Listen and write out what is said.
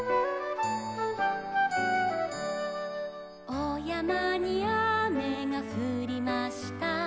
「おやまにあめがふりました」